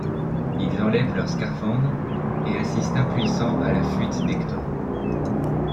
Ils enlèvent leurs scaphandres et assistent impuissants à la fuite d’Hector.